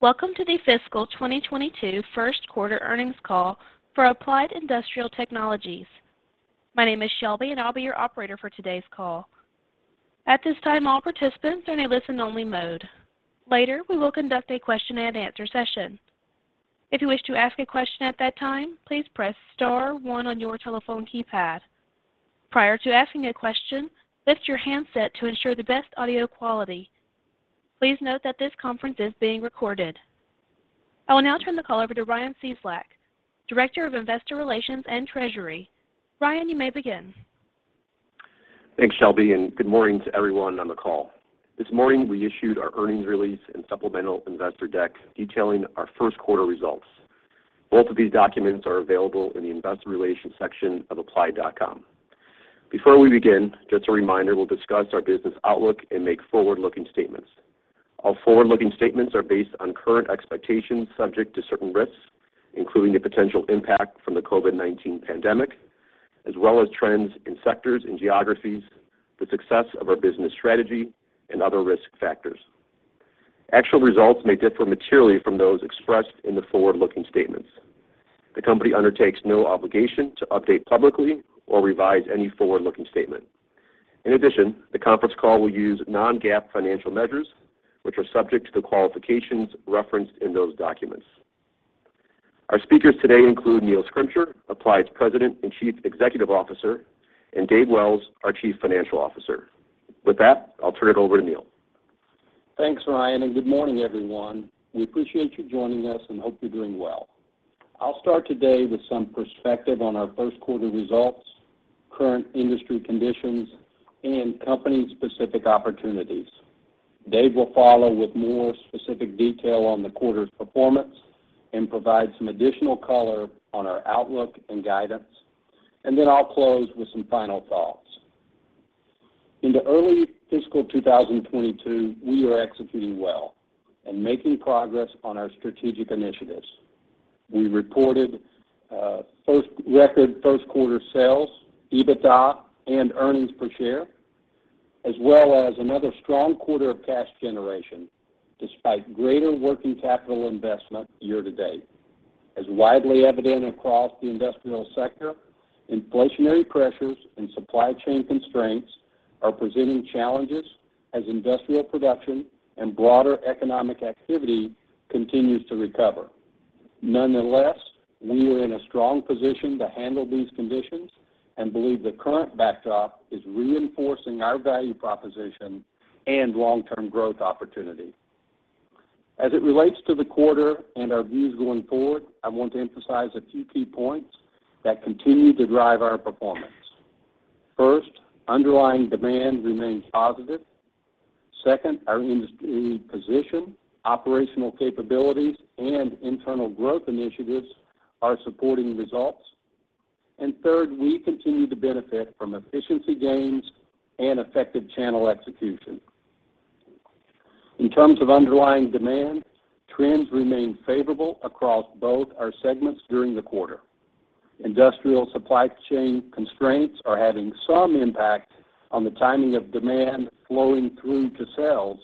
Welcome to the FY22 first quarter earnings call for Applied Industrial Technologies. My name is Shelby, and I'll be your operator for today's call. At this time, all participants are in a listen only mode. Later, we will conduct a question-and-answer session. If you wish to ask a question at that time, please press star one on your telephone keypad. Prior to asking a question, lift your handset to ensure the best audio quality. Please note that this conference is being recorded. I will now turn the call over to Ryan Cieslak, Director of Investor Relations and Treasury. Ryan, you may begin. Thanks, Shelby, and good morning to everyone on the call. This morning, we issued our earnings release and supplemental investor deck detailing our first quarter results. Both of these documents are available in the Investor Relations section of applied.com. Before we begin, just a reminder, we'll discuss our business outlook and make forward-looking statements. All forward-looking statements are based on current expectations subject to certain risks, including the potential impact from the COVID-19 pandemic, as well as trends in sectors and geographies, the success of our business strategy and other risk factors. Actual results may differ materially from those expressed in the forward-looking statements. The company undertakes no obligation to update publicly or revise any forward-looking statement. In addition, the conference call will use non-GAAP financial measures, which are subject to the qualifications referenced in those documents. Our speakers today include Neil Schrimsher, Applied's President and Chief Executive Officer, and David Wells, our Chief Financial Officer. With that, I'll turn it over to Neil. Thanks, Ryan, and good morning, everyone. We appreciate you joining us and hope you're doing well. I'll start today with some perspective on our first quarter results, current industry conditions, and company-specific opportunities. Dave will follow with more specific detail on the quarter's performance and provide some additional color on our outlook and guidance. I'll close with some final thoughts. In the early FY22, we are executing well and making progress on our strategic initiatives. We reported record first quarter sales, EBITDA, and earnings per share, as well as another strong quarter of cash generation despite greater working capital investment year to date. As widely evident across the industrial sector, inflationary pressures and supply chain constraints are presenting challenges as industrial production and broader economic activity continues to recover. Nonetheless, we are in a strong position to handle these conditions and believe the current backdrop is reinforcing our value proposition and long-term growth opportunity. As it relates to the quarter and our views going forward, I want to emphasize a few key points that continue to drive our performance. First, underlying demand remains positive. Second, our industry position, operational capabilities, and internal growth initiatives are supporting results. Third, we continue to benefit from efficiency gains and effective channel execution. In terms of underlying demand, trends remain favorable across both our segments during the quarter. Industrial supply chain constraints are having some impact on the timing of demand flowing through to sales,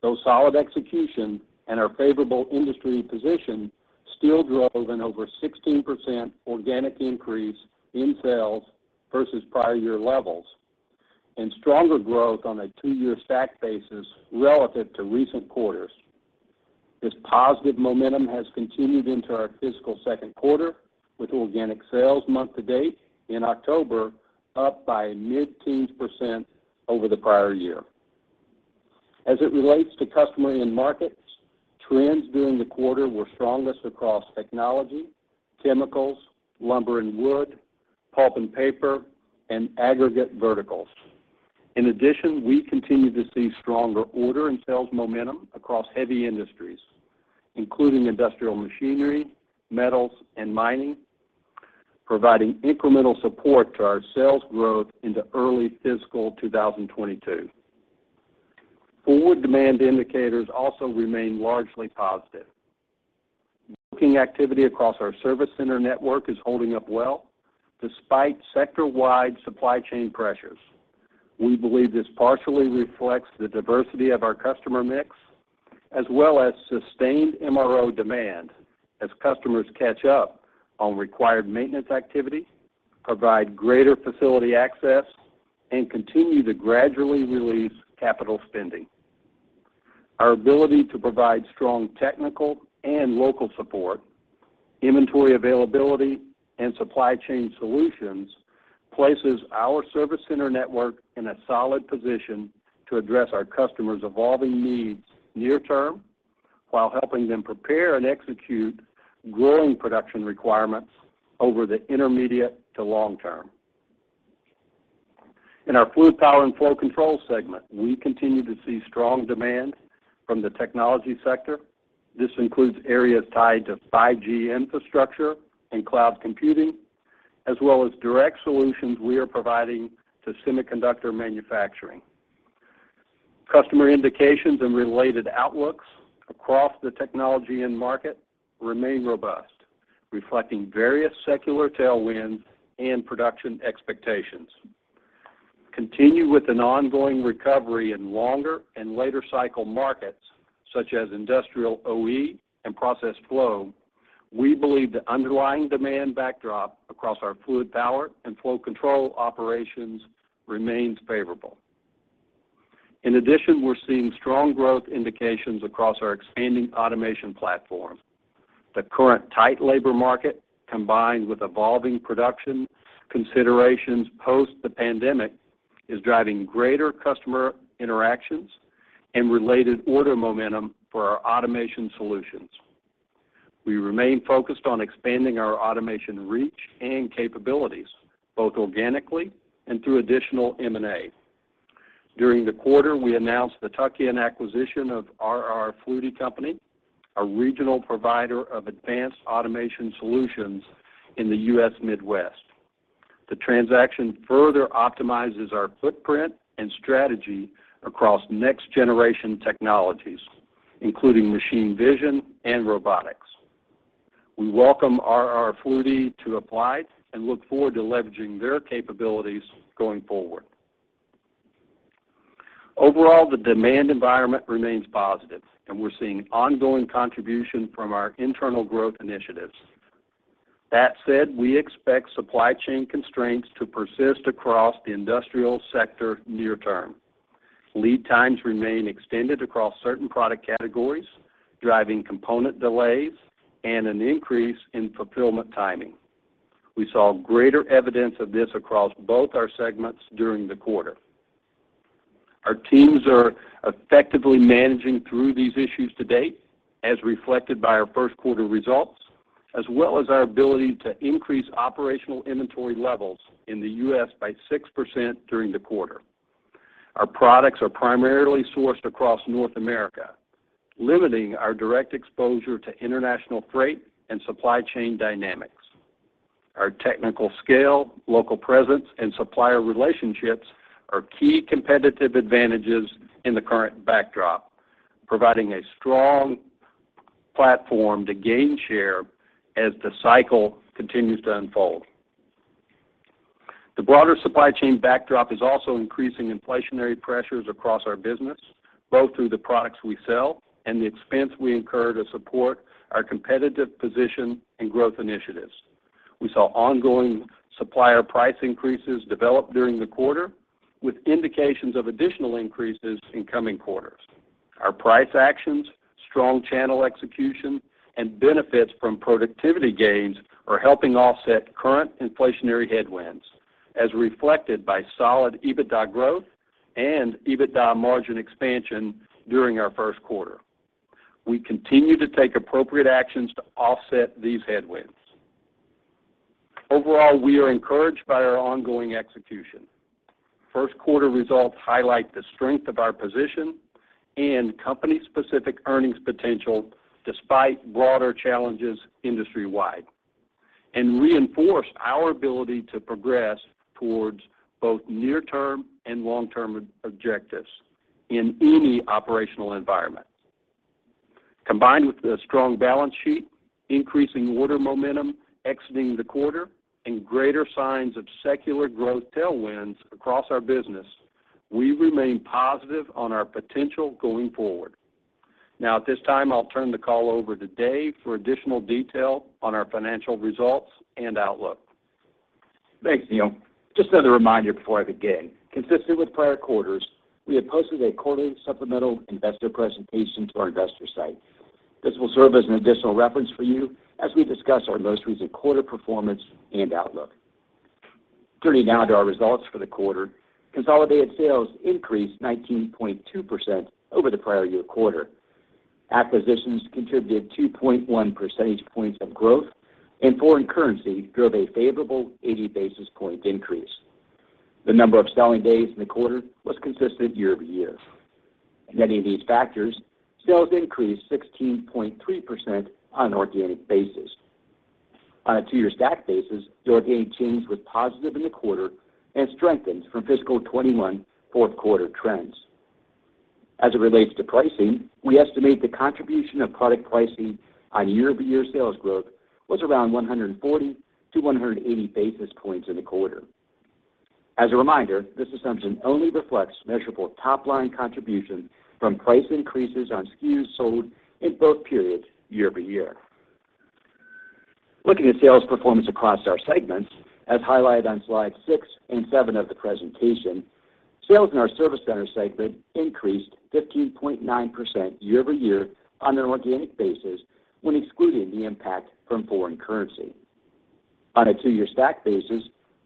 though solid execution and our favorable industry position still drove an over 16% organic increase in sales versus prior year levels and stronger growth on a two-year stack basis relative to recent quarters. This positive momentum has continued into our fiscal second quarter, with organic sales month to date in October up by mid-teens% over the prior year. As it relates to customer end markets, trends during the quarter were strongest across technology, chemicals, lumber and wood, pulp and paper, and aggregate verticals. In addition, we continue to see stronger order and sales momentum across heavy industries, including industrial machinery, metals, and mining, providing incremental support to our sales growth into early FY22. Forward demand indicators also remain largely positive. Booking activity across our service center network is holding up well despite sector-wide supply chain pressures. We believe this partially reflects the diversity of our customer mix as well as sustained MRO demand as customers catch up on required maintenance activity, provide greater facility access, and continue to gradually release capital spending. Our ability to provide strong technical and local support, inventory availability, and supply chain solutions places our Service Center network in a solid position to address our customers' evolving needs near term while helping them prepare and execute growing production requirements over the intermediate to long term. In our Fluid Power and Flow Control segment, we continue to see strong demand from the technology sector. This includes areas tied to 5G infrastructure and cloud computing, as well as direct solutions we are providing to semiconductor manufacturing. Customer indications and related outlooks across the technology end market remain robust, reflecting various secular tailwinds and production expectations. Continuing with an ongoing recovery in longer and later cycle markets such as industrial OE and process flow, we believe the underlying demand backdrop across our Fluid Power and Flow Control operations remains favorable. In addition, we're seeing strong growth indications across our expanding automation platform. The current tight labor market, combined with evolving production considerations post the pandemic, is driving greater customer interactions and related order momentum for our automation solutions. We remain focused on expanding our automation reach and capabilities, both organically and through additional M&A. During the quarter, we announced the tuck-in acquisition of R.R. Floody Company, a regional provider of advanced automation solutions in the U.S. Midwest. The transaction further optimizes our footprint and strategy across next-generation technologies, including machine vision and robotics. We welcome R.R. Floody to Applied and look forward to leveraging their capabilities going forward. Overall, the demand environment remains positive, and we're seeing ongoing contribution from our internal growth initiatives. That said, we expect supply chain constraints to persist across the industrial sector near term. Lead times remain extended across certain product categories, driving component delays and an increase in fulfillment timing. We saw greater evidence of this across both our segments during the quarter. Our teams are effectively managing through these issues to date, as reflected by our first quarter results, as well as our ability to increase operational inventory levels in the U.S. by 6% during the quarter. Our products are primarily sourced across North America, limiting our direct exposure to international freight and supply chain dynamics. Our technical scale, local presence, and supplier relationships are key competitive advantages in the current backdrop, providing a strong platform to gain share as the cycle continues to unfold. The broader supply chain backdrop is also increasing inflationary pressures across our business, both through the products we sell and the expense we incur to support our competitive position and growth initiatives. We saw ongoing supplier price increases develop during the quarter, with indications of additional increases in coming quarters. Our price actions, strong channel execution, and benefits from productivity gains are helping offset current inflationary headwinds, as reflected by solid EBITDA growth and EBITDA margin expansion during our first quarter. We continue to take appropriate actions to offset these headwinds. Overall, we are encouraged by our ongoing execution. First quarter results highlight the strength of our position and company-specific earnings potential despite broader challenges industry-wide, and reinforce our ability to progress towards both near-term and long-term objectives in any operational environment. Combined with the strong balance sheet, increasing order momentum exiting the quarter, and greater signs of secular growth tailwinds across our business, we remain positive on our potential going forward. Now at this time, I'll turn the call over to Dave for additional detail on our financial results and outlook. Thanks, Neil. Just another reminder before I begin. Consistent with prior quarters, we have posted a quarterly supplemental investor presentation to our investor site. This will serve as an additional reference for you as we discuss our most recent quarter performance and outlook. Turning now to our results for the quarter, consolidated sales increased 19.2% over the prior year quarter. Acquisitions contributed 2.1 percentage points of growth, and foreign currency drove a favorable 80 basis points increase. The number of selling days in the quarter was consistent year-over-year. Netting these factors, sales increased 16.3% on an organic basis. On a two-year stack basis, the organic change was positive in the quarter and strengthened from FY21 fourth quarter trends. As it relates to pricing, we estimate the contribution of product pricing on year-over-year sales growth was around 140-180 basis points in the quarter. As a reminder, this assumption only reflects measurable top-line contribution from price increases on SKUs sold in both periods year-over-year. Looking at sales performance across our segments, as highlighted on slides 6 and 7 of the presentation, sales in our Service Center segment increased 15.9% year-over-year on an organic basis when excluding the impact from foreign currency. On a two-year stack basis,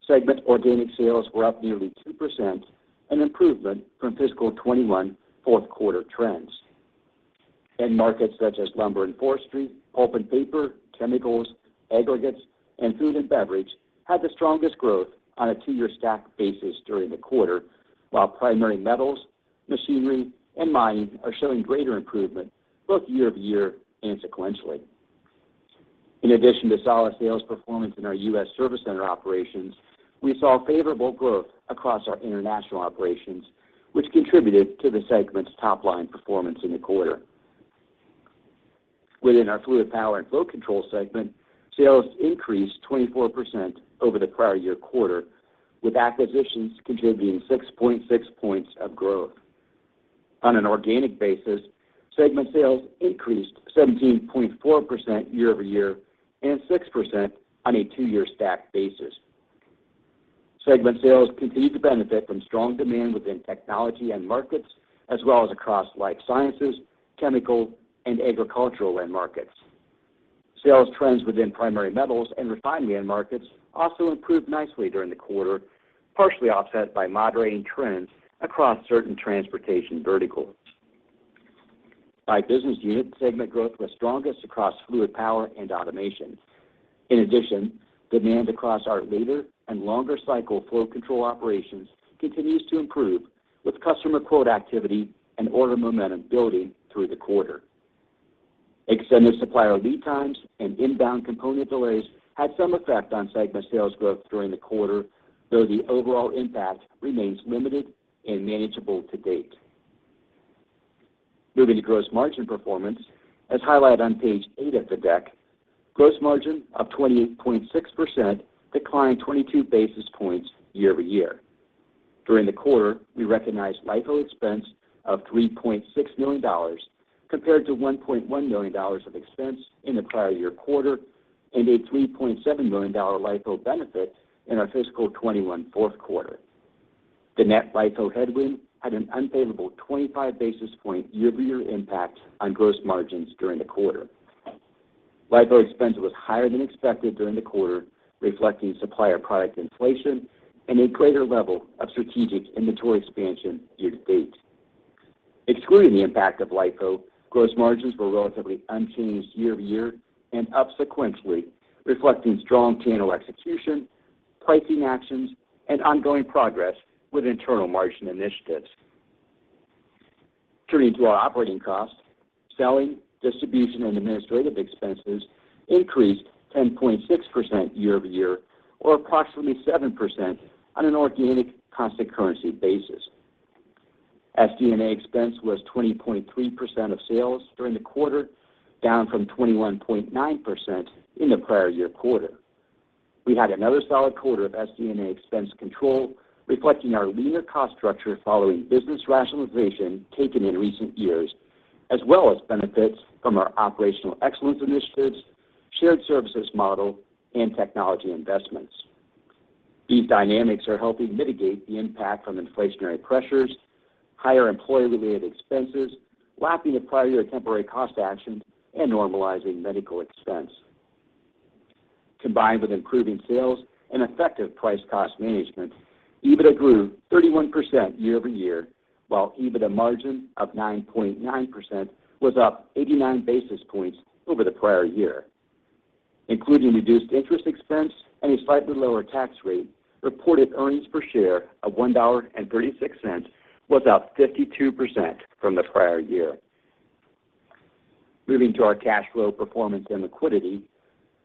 segment organic sales were up nearly 2%, an improvement from FY21 fourth quarter trends. End markets such as lumber and forestry, pulp and paper, chemicals, aggregates, and food and beverage had the strongest growth on a two-year stack basis during the quarter, while primary metals, machinery, and mining are showing greater improvement both year-over-year and sequentially. In addition to solid sales performance in our U.S. Service Center operations, we saw favorable growth across our international operations, which contributed to the segment's top-line performance in the quarter. Within our Fluid Power and Flow Control segment, sales increased 24% over the prior year quarter, with acquisitions contributing 6.6 points of growth. On an organic basis, segment sales increased 17.4% year-over-year and 6% on a two-year stacked basis. Segment sales continued to benefit from strong demand within technology end markets as well as across life sciences, chemical and agricultural end markets. Sales trends within primary metals and refinery end markets also improved nicely during the quarter, partially offset by moderating trends across certain transportation verticals. By business unit segment growth was strongest across Fluid Power and automation. In addition, demand across our latter and longer cycle Flow Control operations continues to improve, with customer quote activity and order momentum building through the quarter. Extended supplier lead times and inbound component delays had some effect on segment sales growth during the quarter, though the overall impact remains limited and manageable to date. Moving to gross margin performance. As highlighted on page 8 of the deck, gross margin of 28.6% declined 22 basis points year-over-year. During the quarter, we recognized LIFO expense of $3.6 million compared to $1.1 million of expense in the prior year quarter and a $3.7 million LIFO benefit in our FY21 fourth quarter. The net LIFO headwind had an unfavorable 25 basis points year-over-year impact on gross margins during the quarter. LIFO expense was higher than expected during the quarter, reflecting supplier product inflation and a greater level of strategic inventory expansion year-to-date. Excluding the impact of LIFO, gross margins were relatively unchanged year-over-year and subsequently reflecting strong P&L execution, pricing actions and ongoing progress with internal margin initiatives. Turning to our operating cost. Selling, distribution and administrative expenses increased 10.6% year-over-year or approximately 7% on an organic constant currency basis. SG&A expense was 20.3% of sales during the quarter, down from 21.9% in the prior year quarter. We had another solid quarter of SG&A expense control, reflecting our leaner cost structure following business rationalization taken in recent years as well as benefits from our operational excellence initiatives, shared services model and technology investments. These dynamics are helping mitigate the impact from inflationary pressures, higher employee related expenses, lapping the prior year temporary cost action and normalizing medical expense. Combined with improving sales and effective price cost management, EBITDA grew 31% year-over-year, while EBITDA margin of 9.9% was up 89 basis points over the prior year. Including reduced interest expense and a slightly lower tax rate, reported earnings per share of $1.36 was up 52% from the prior year. Moving to our cash flow performance and liquidity.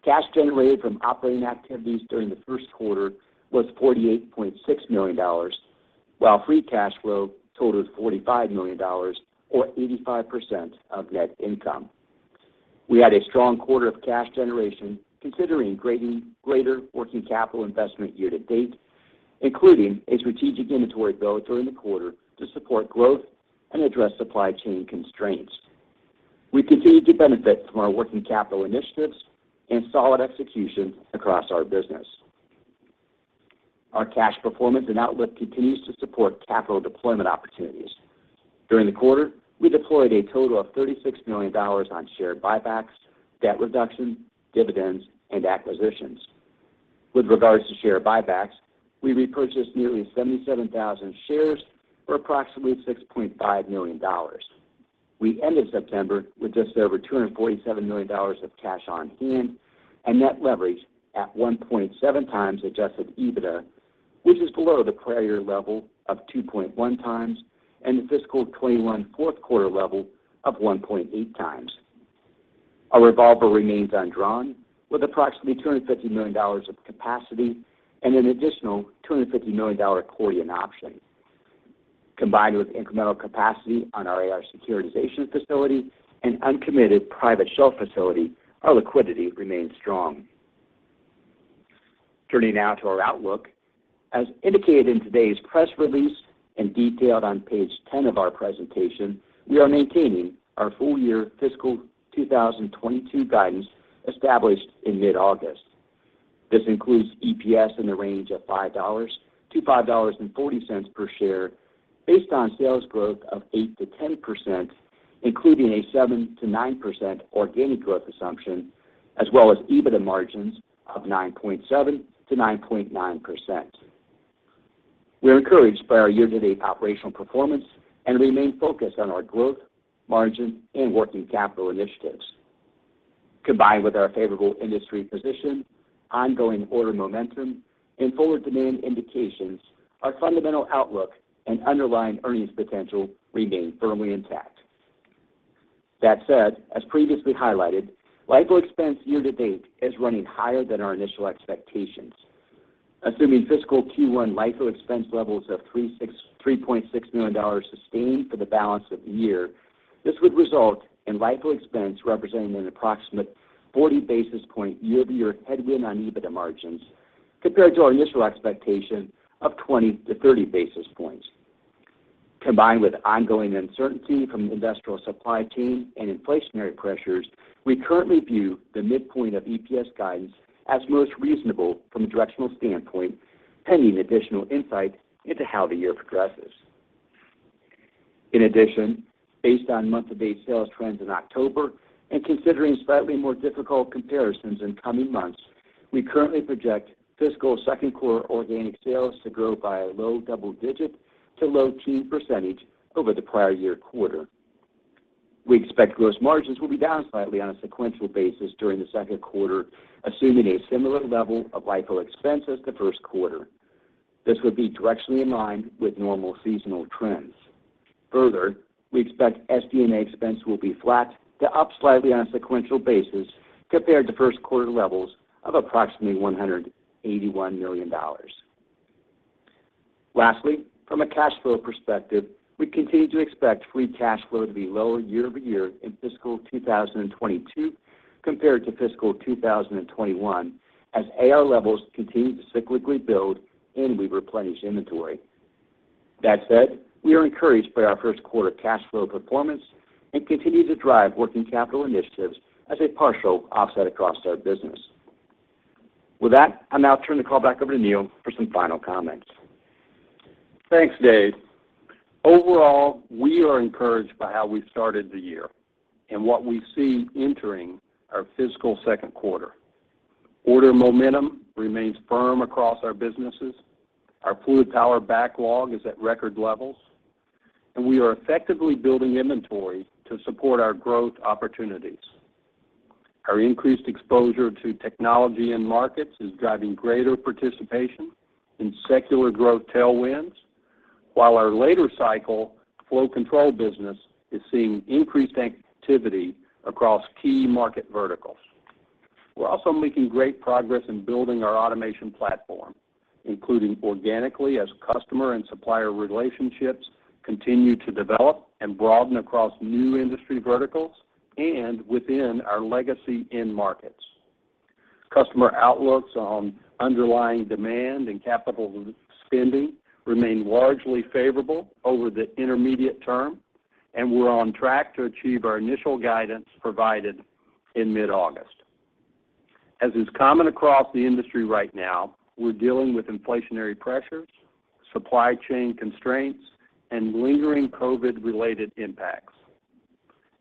Cash generated from operating activities during the first quarter was $48.6 million while free cash flow totaled $45 million or 85% of net income. We had a strong quarter of cash generation considering greater working capital investment year to date, including a strategic inventory build during the quarter to support growth and address supply chain constraints. We continued to benefit from our working capital initiatives and solid execution across our business. Our cash performance and outlook continues to support capital deployment opportunities. During the quarter, we deployed a total of $36 million on share buybacks, debt reduction, dividends and acquisitions. With regards to share buybacks, we repurchased nearly 77,000 shares or approximately $6.5 million. We ended September with just over $247 million of cash on hand and net leverage at 1.7x Adjusted EBITDA, which is below the prior level of 2.1x and the FY21 fourth quarter level of 1.8x. Our revolver remains undrawn with approximately $250 million of capacity and an additional $250 million accordion option. Combined with incremental capacity on our AR securitization facility and uncommitted private shelf facility, our liquidity remains strong. Turning now to our outlook. As indicated in today's press release and detailed on page 10 of our presentation, we are maintaining our full-year FY22 guidance established in mid-August. This includes EPS in the range of $5-$5.40 per share based on sales growth of 8%-10%, including a 7%-9% organic growth assumption as well as EBITDA margins of 9.7%-9.9%. We are encouraged by our year-to-date operational performance and remain focused on our growth, margin and working capital initiatives. Combined with our favorable industry position, ongoing order momentum and forward demand indications, our fundamental outlook and underlying earnings potential remain firmly intact. That said, as previously highlighted, LIFO expense year to date is running higher than our initial expectations. Assuming fiscal Q1 LIFO expense levels of $3.6 million sustained for the balance of the year, this would result in LIFO expense representing an approximate 40 basis point year-over-year headwind on EBITDA margins compared to our initial expectation of 20-30 basis points. Combined with ongoing uncertainty from the industrial supply chain and inflationary pressures, we currently view the midpoint of EPS guidance as most reasonable from a directional standpoint, pending additional insight into how the year progresses. In addition, based on month-to-date sales trends in October and considering slightly more difficult comparisons in coming months, we currently project fiscal second quarter organic sales to grow by a low double digit to low teen percentage over the prior year quarter. We expect gross margins will be down slightly on a sequential basis during the second quarter, assuming a similar level of LIFO expense as the first quarter. This would be directionally in line with normal seasonal trends. Further, we expect SG&A expense will be flat to up slightly on a sequential basis compared to first quarter levels of approximately $181 million. Lastly, from a cash flow perspective, we continue to expect free cash flow to be lower year-over-year in FY22 compared to FY21 as AR levels continue to cyclically build and we replenish inventory. That said, we are encouraged by our first quarter cash flow performance and continue to drive working capital initiatives as a partial offset across our business. With that, I'll now turn the call back over to Neil for some final comments. Thanks, Dave. Overall, we are encouraged by how we started the year and what we see entering our fiscal second quarter. Order momentum remains firm across our businesses. Our Fluid Power backlog is at record levels, and we are effectively building inventory to support our growth opportunities. Our increased exposure to technology end markets is driving greater participation in secular growth tailwinds, while our later cycle Flow Control business is seeing increased activity across key market verticals. We're also making great progress in building our automation platform, including organically as customer and supplier relationships continue to develop and broaden across new industry verticals and within our legacy end markets. Customer outlooks on underlying demand and capital spending remain largely favorable over the intermediate term, and we're on track to achieve our initial guidance provided in mid-August. As is common across the industry right now, we're dealing with inflationary pressures, supply chain constraints, and lingering COVID-related impacts.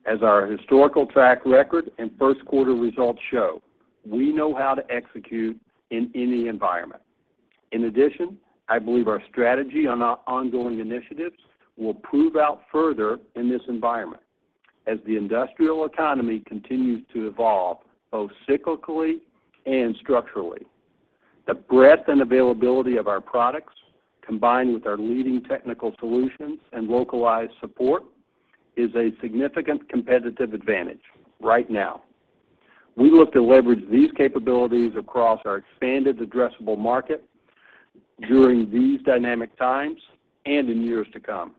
As our historical track record and first quarter results show, we know how to execute in any environment. In addition, I believe our strategy on our ongoing initiatives will prove out further in this environment as the industrial economy continues to evolve both cyclically and structurally. The breadth and availability of our products, combined with our leading technical solutions and localized support, is a significant competitive advantage right now. We look to leverage these capabilities across our expanded addressable market during these dynamic times and in years to come.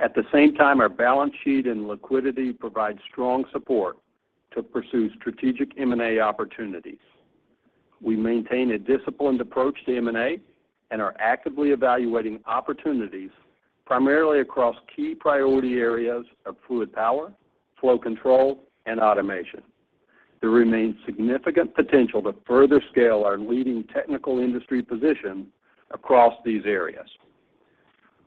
At the same time, our balance sheet and liquidity provide strong support to pursue strategic M&A opportunities. We maintain a disciplined approach to M&A and are actively evaluating opportunities primarily across key priority areas of fluid power, flow control, and automation. There remains significant potential to further scale our leading technical industry position across these areas.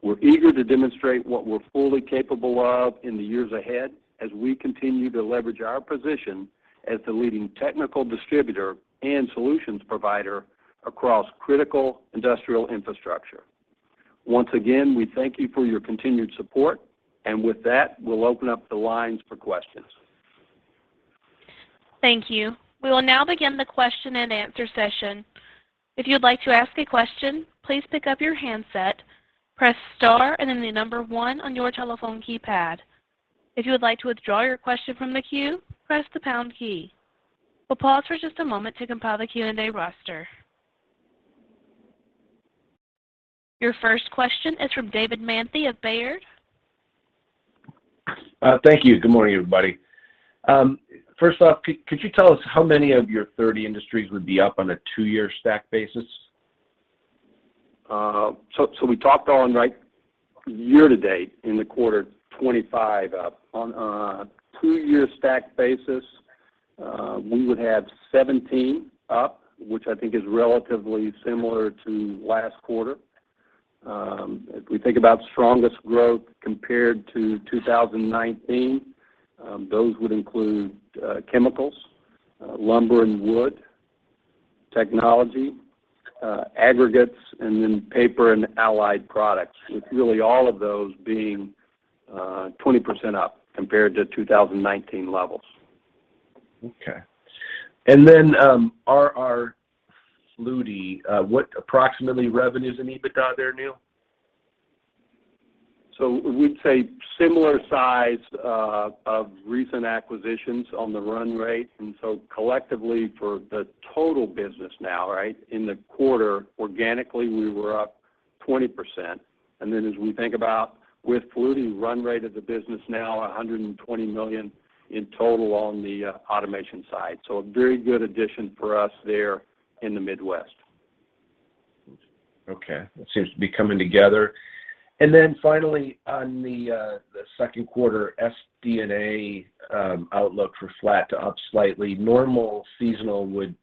We're eager to demonstrate what we're fully capable of in the years ahead as we continue to leverage our position as the leading technical distributor and solutions provider across critical industrial infrastructure. Once again, we thank you for your continued support, and with that, we'll open up the lines for questions. Thank you. We will now begin the question-and-answer session. If you'd like to ask a question, please pick up your handset, press star and then the number one on your telephone keypad. If you would like to withdraw your question from the queue, press the pound key. We'll pause for just a moment to compile the Q&A roster. Your first question is from David Manthey of Baird. Thank you. Good morning, everybody. First off, could you tell us how many of your 30 industries would be up on a two-year stack basis? We talked on, like, year-to-date in the quarter 25% up. On a two-year stack basis, we would have 17% up, which I think is relatively similar to last quarter. If we think about strongest growth compared to 2019, those would include chemicals, lumber and wood, technology, aggregates, and then paper and allied products, with really all of those being 20% up compared to 2019 levels. Okay. R.R. Floody, what approximately revenues and EBITDA there, Neil? We'd say similar size of recent acquisitions on the run rate. Collectively for the total business now, right, in the quarter, organically, we were up 20%. As we think about with Floody run rate of the business now, $120 million in total on the automation side. A very good addition for us there in the Midwest. Okay. That seems to be coming together. Then finally, on the second quarter SG&A outlook for flat to up slightly, normal seasonal would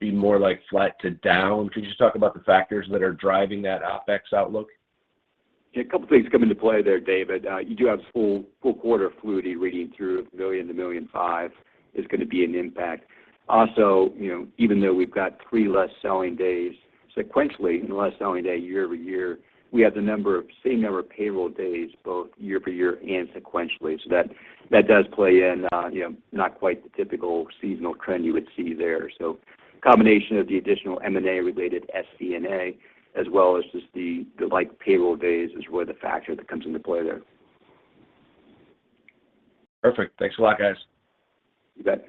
be more like flat to down. Could you just talk about the factors that are driving that OpEx outlook? Yeah. A couple of things come into play there, David. You do have a full quarter of Floody running through $1 million-$1.5 million, which is gonna be an impact. Also, you know, even though we've got three fewer selling days sequentially, and one fewer selling day year-over-year, we have the same number of payroll days, both year-over-year and sequentially. That does play in, you know, not quite the typical seasonal trend you would see there. Combination of the additional M&A related SG&A as well as just the fewer payroll days is the factor that comes into play there. Perfect. Thanks a lot, guys. You bet.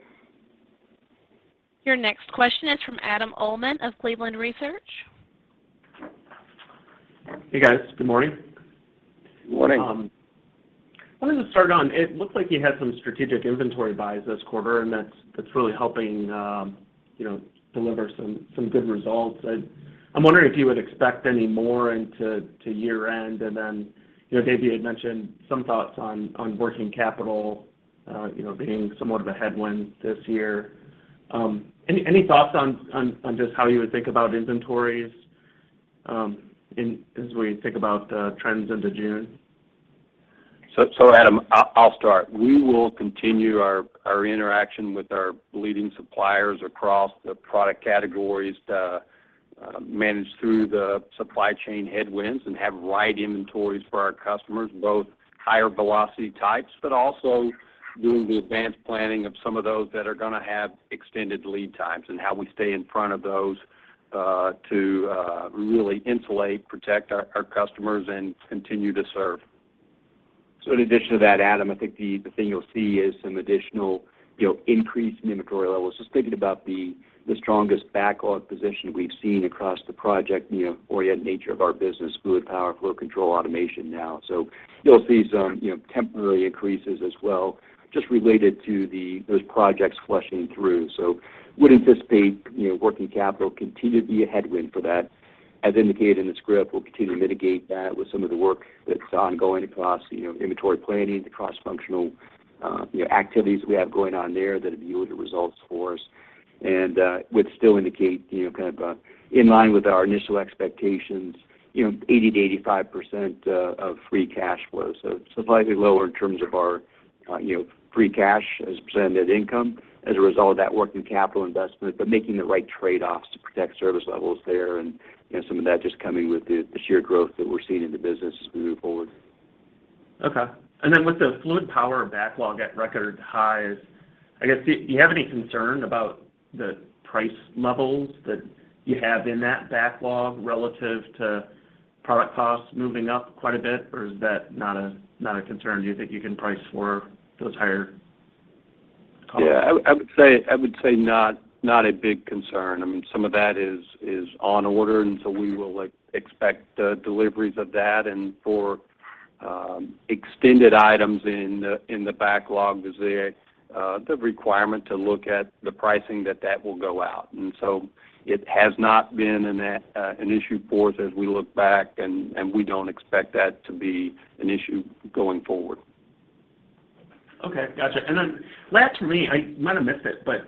Your next question is from Adam Uhlman of Cleveland Research. Hey, guys. Good morning. Good morning. I wanted to start on it looks like you had some strategic inventory buys this quarter, and that's really helping, you know, deliver some good results. I'm wondering if you would expect any more into year-end, and then, you know, Dave, you had mentioned some thoughts on working capital, you know, being somewhat of a headwind this year. Any thoughts on just how you would think about inventories in as we think about trends into June? Adam, I'll start. We will continue our interaction with our leading suppliers across the product categories to manage through the supply chain headwinds and have the right inventories for our customers, both higher velocity types, but also doing the advanced planning of some of those that are gonna have extended lead times and how we stay in front of those to really insulate, protect our customers and continue to serve. In addition to that, Adam, I think the thing you'll see is some additional, you know, increase in inventory levels. Just thinking about the strongest backlog position we've seen across the project-oriented nature of our business, Fluid Power and Flow Control, automation now. You'll see some, you know, temporary increases as well, just related to those projects flushing through. Would anticipate, you know, working capital continue to be a headwind for that. As indicated in the script, we'll continue to mitigate that with some of the work that's ongoing across, you know, inventory planning, the cross-functional, you know, activities we have going on there that have yielded results for us. Would still indicate, you know, kind of in line with our initial expectations, you know, 80%-85% of free cash flow. Slightly lower in terms of our, you know, free cash as a % of net income as a result of that working capital investment, but making the right trade-offs to protect service levels there and, you know, some of that just coming with the sheer growth that we're seeing in the business as we move forward. Okay. With the Fluid Power backlog at record highs, I guess, do you have any concern about the price levels that you have in that backlog relative to product costs moving up quite a bit? Or is that not a concern? Do you think you can price for those higher costs? Yeah. I would say not a big concern. I mean, some of that is on order, and so we will, like, expect deliveries of that. For extended items in the backlogs there, the requirement to look at the pricing that will go out. It has not been an issue for us as we look back, and we don't expect that to be an issue going forward. Okay. Gotcha. Last for me, I might have missed it, but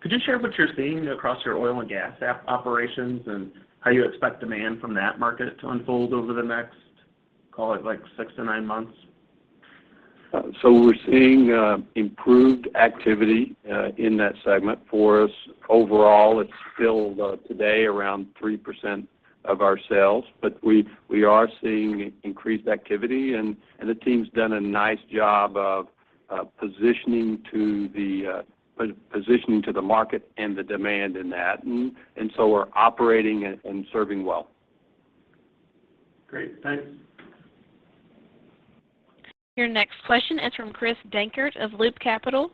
could you share what you're seeing across your oil and gas operations and how you expect demand from that market to unfold over the next, call it like six to nine months? We're seeing improved activity in that segment for us. Overall, it's still today around 3% of our sales. We are seeing increased activity and the team's done a nice job of positioning to the market and the demand in that. We're operating and serving well. Great. Thanks. Your next question is from Chris Dankert of Loop Capital.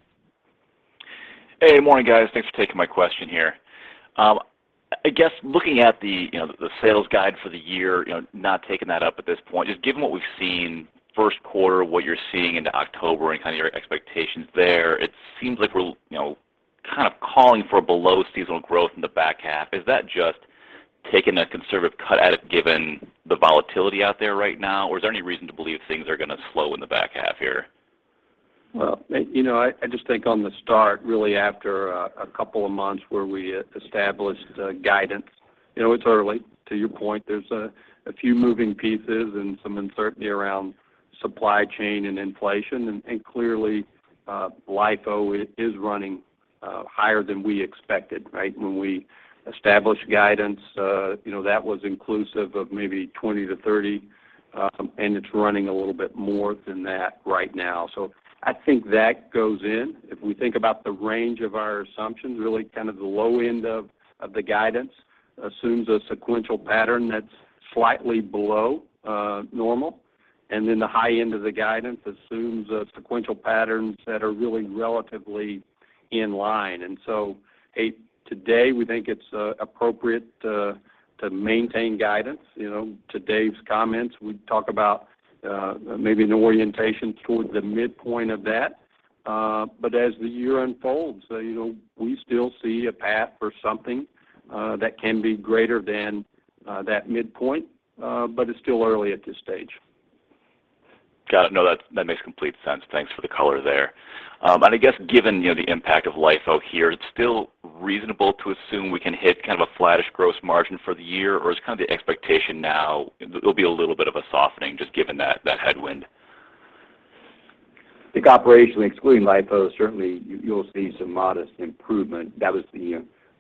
Hey, morning, guys. Thanks for taking my question here. I guess looking at the, you know, the sales guide for the year, you know, not taking that up at this point, just given what we've seen first quarter, what you're seeing into October and kind of your expectations there, it seems like we're, you know, kind of calling for below seasonal growth in the back half. Is that just taking a conservative cut at it given the volatility out there right now? Or is there any reason to believe things are gonna slow in the back half here? Well, you know, I just think on the start, really after a couple of months where we established guidance, you know, it's early. To your point, there's a few moving pieces and some uncertainty around supply chain and inflation. Clearly, LIFO is running higher than we expected, right? When we established guidance, you know, that was inclusive of maybe 20-30, and it's running a little bit more than that right now. I think that goes in. If we think about the range of our assumptions, really kind of the low end of the guidance assumes a sequential pattern that's slightly below normal. The high end of the guidance assumes a sequential patterns that are really relatively in line. Hey, today we think it's appropriate to maintain guidance. You know, to Dave's comments, we talk about maybe an orientation towards the midpoint of that. As the year unfolds, you know, we still see a path for something that can be greater than that midpoint. It's still early at this stage. Got it. No, that makes complete sense. Thanks for the color there. I guess given, you know, the impact of LIFO here, it's still reasonable to assume we can hit kind of a flattish gross margin for the year, or is kind of the expectation now it'll be a little bit of a softening just given that headwind? I think operationally, excluding LIFO, certainly you'll see some modest improvement. That was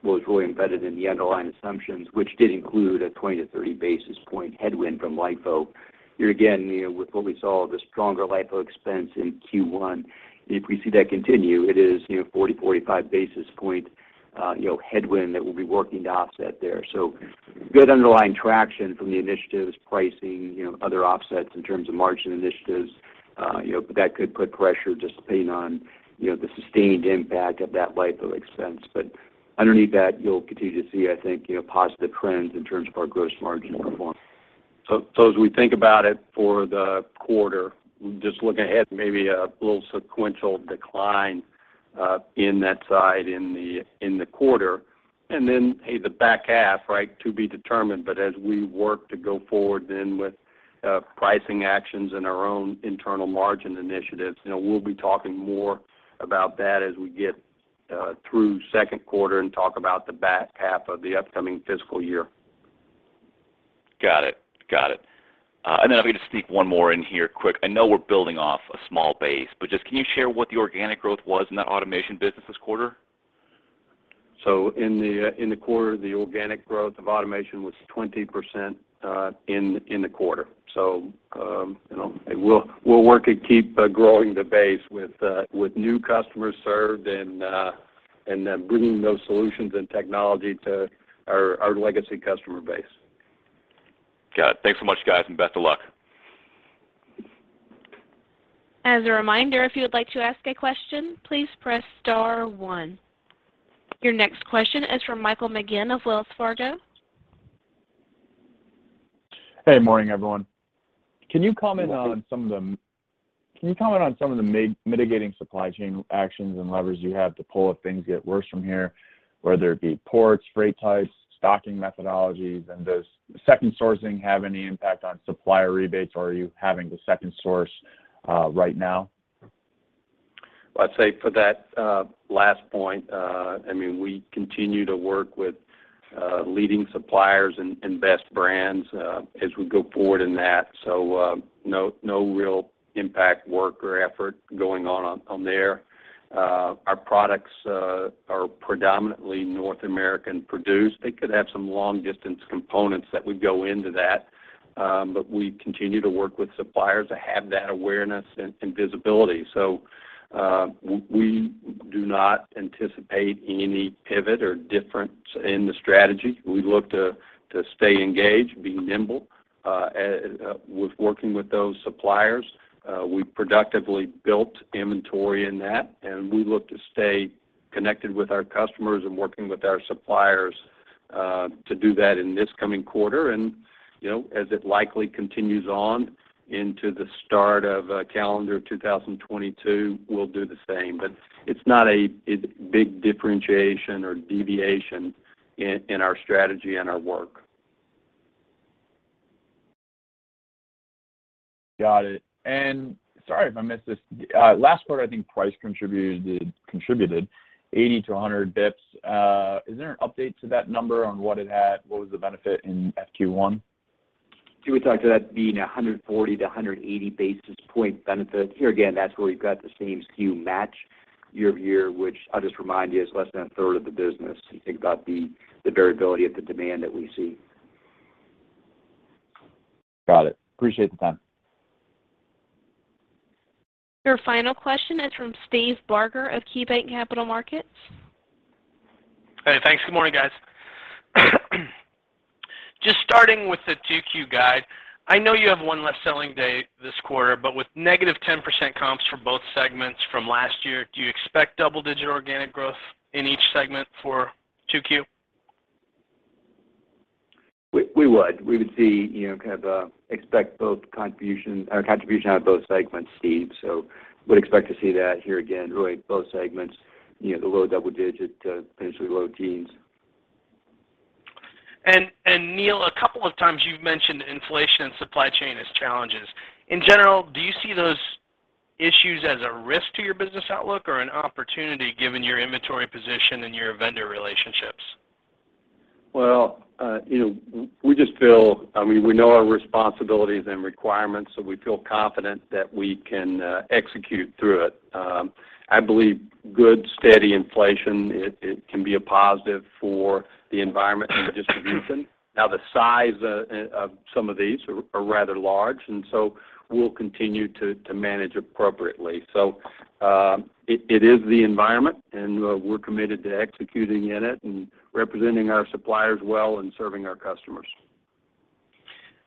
what was really embedded in the underlying assumptions, which did include a 20-30 basis point headwind from LIFO. Here again, you know, with what we saw, the stronger LIFO expense in Q1, if we see that continue, it is, you know, 40-45 basis point headwind that we'll be working to offset there. Good underlying traction from the initiatives, pricing, you know, other offsets in terms of margin initiatives, you know, but that could put pressure just depending on, you know, the sustained impact of that LIFO expense. Underneath that, you'll continue to see, I think, you know, positive trends in terms of our gross margin performance. As we think about it for the quarter, just looking ahead, maybe a little sequential decline in that side in the quarter. Hey, the back half, right, to be determined, but as we work to go forward then with pricing actions and our own internal margin initiatives, you know, we'll be talking more about that as we get through second quarter and talk about the back half of the upcoming fiscal year. Got it. I'm gonna sneak one more in here quick. I know we're building off a small base, but just can you share what the organic growth was in that automation business this quarter? In the quarter, the organic growth of automation was 20% in the quarter. You know, we'll work to keep growing the base with new customers served and then bringing those solutions and technology to our legacy customer base. Got it. Thanks so much, guys, and best of luck. As a reminder, if you would like to ask a question, please press star one. Your next question is from Michael McGinn of Wells Fargo. Hey, morning, everyone. Good morning. Can you comment on some of the mitigating supply chain actions and levers you have to pull if things get worse from here, whether it be ports, freight types, stocking methodologies? Does second sourcing have any impact on supplier rebates, or are you having to second source right now? Well, I'd say for that last point, I mean, we continue to work with leading suppliers and best brands as we go forward in that. No real impact work or effort going on there. Our products are predominantly North American produced. They could have some long-distance components that would go into that, but we continue to work with suppliers to have that awareness and visibility. We do not anticipate any pivot or difference in the strategy. We look to stay engaged, be nimble with working with those suppliers. We productively built inventory in that, and we look to stay connected with our customers and working with our suppliers to do that in this coming quarter. You know, as it likely continues on into the start of calendar 2022, we'll do the same. It's not a big differentiation or deviation in our strategy and our work. Got it. Sorry if I missed this. Last quarter, I think price contributed 80-100 bps. Is there an update to that number on what it had? What was the benefit in FQ1? Steve, we talked about that being 140-180 basis point benefit. Here again, that's where we've got the same SKU match year-over-year, which I'll just remind you is less than a third of the business. You think about the variability of the demand that we see. Got it. Appreciate the time. Your final question is from Steve Barger of KeyBanc Capital Markets. Hey, thanks. Good morning, guys. Just starting with the 2Q guide, I know you have one less selling day this quarter, but with negative 10% comps for both segments from last year, do you expect double-digit organic growth in each segment for 2Q? We would see, you know, kind of expect both contribution out of both segments, Steve. Would expect to see that here again, really both segments, you know, the low double-digit to potentially low teens. Neil, a couple of times you've mentioned inflation and supply chain as challenges. In general, do you see those issues as a risk to your business outlook or an opportunity given your inventory position and your vendor relationships? Well, you know, we just feel, I mean, we know our responsibilities and requirements, so we feel confident that we can execute through it. I believe good, steady inflation, it can be a positive for the environment and the distribution. Now, the size, some of these are rather large, and so we'll continue to manage appropriately. It is the environment and we're committed to executing in it and representing our suppliers well and serving our customers.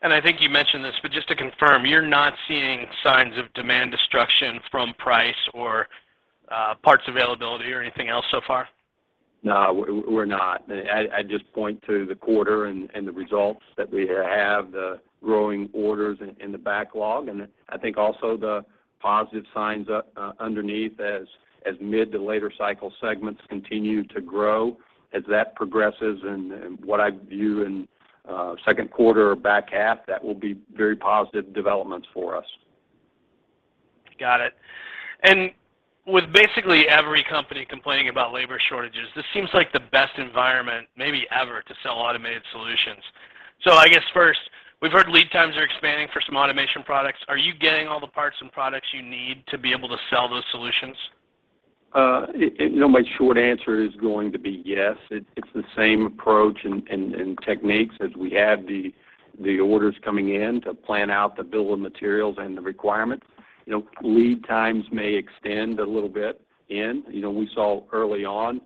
I think you mentioned this, but just to confirm, you're not seeing signs of demand destruction from price or, parts availability or anything else so far? No, we're not. I just point to the quarter and the results that we have the growing orders in the backlog. I think also the positive signs underneath as mid to later cycle segments continue to grow as that progresses. What I view in second quarter or back half, that will be very positive developments for us. Got it. With basically every company complaining about labor shortages, this seems like the best environment maybe ever to sell automated solutions. I guess first, we've heard lead times are expanding for some automation products. Are you getting all the parts and products you need to be able to sell those solutions? You know, my short answer is going to be yes. It's the same approach and techniques as we have the orders coming in to plan out the bill of materials and the requirements. You know, lead times may extend a little bit in. You know, we saw early on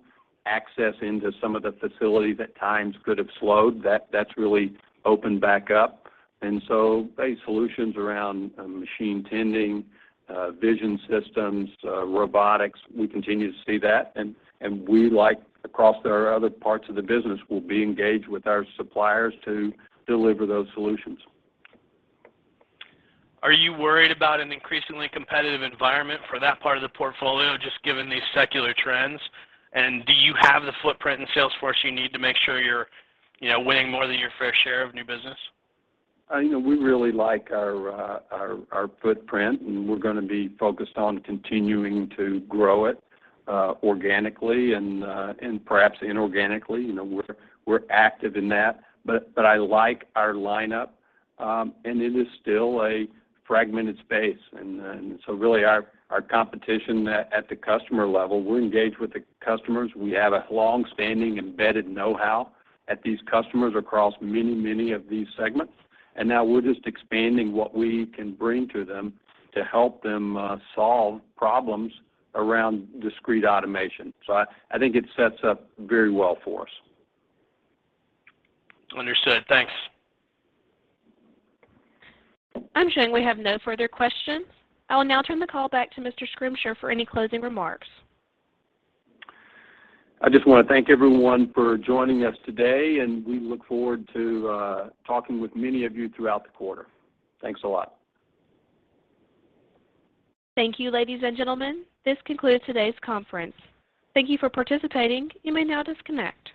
access into some of the facilities at times could have slowed. That's really opened back up. Base solutions around machine tending, vision systems, robotics, we continue to see that. We, like across our other parts of the business, will be engaged with our suppliers to deliver those solutions. Are you worried about an increasingly competitive environment for that part of the portfolio, just given these secular trends? Do you have the footprint and sales force you need to make sure you're, you know, winning more than your fair share of new business? You know, we really like our footprint, and we're gonna be focused on continuing to grow it organically and perhaps inorganically. You know, we're active in that. I like our lineup, and it is still a fragmented space. Really our competition at the customer level, we're engaged with the customers. We have a long-standing embedded know-how at these customers across many of these segments. Now we're just expanding what we can bring to them to help them solve problems around discrete automation. I think it sets up very well for us. Understood. Thanks. I'm showing we have no further questions. I will now turn the call back to Mr. Schrimsher for any closing remarks. I just want to thank everyone for joining us today, and we look forward to talking with many of you throughout the quarter. Thanks a lot. Thank you, ladies and gentlemen. This concludes today's conference. Thank you for participating. You may now disconnect.